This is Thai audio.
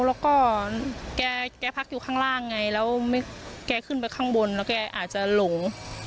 แล้วก็แกพักอยู่ข้างล่างไงแล้วแกขึ้นไปข้างบนแล้วแกอาจจะหลง